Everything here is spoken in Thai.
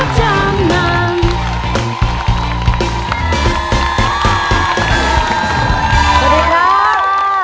สวัสดีครับ